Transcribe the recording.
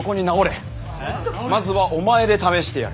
まずはお前で試してやる。